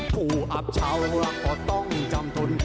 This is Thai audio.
ผู้อับเช้าละก็ต้องจำทน